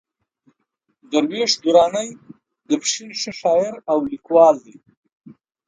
درویش درانی د پښين ښه شاعر او ليکوال دئ.